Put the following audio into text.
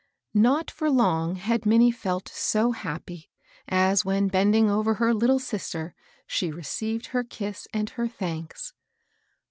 Not for long had Minnie felt so happy, as, when bending over her little sister, she received her kiss and her thanks.